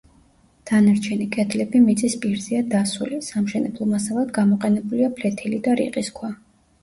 დანარჩენი კედლები მიწის პირზეა დასული; სამშენებლო მასალად გამოყენებულია ფლეთილი და რიყის ქვა.